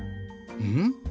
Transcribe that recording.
うん？